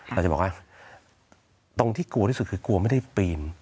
เราจะบอกว่าตรงที่กลัวที่สุดคือกลัวไม่ได้ปีน